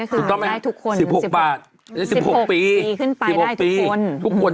๑๖บาทจะ๑๖ปีอีกปีไปได้ทุกคน